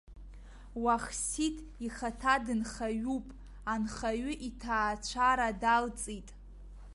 Уахсиҭ ихаҭа дынхаҩуп, анхаҩы иҭаацәара далҵит.